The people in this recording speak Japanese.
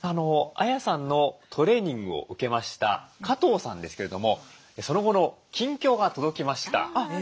ＡＹＡさんのトレーニングを受けました加藤さんですけれどもその後の近況が届きました。